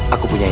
aku punya ini